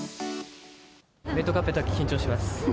レッドカーペットは緊張します。